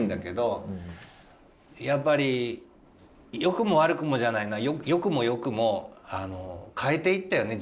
やっぱり良くも悪くもじゃないな良くも良くも変えていったよね